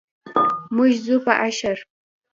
موږ ځو په اشر.